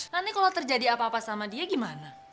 nanti kalau terjadi apa apa sama dia gimana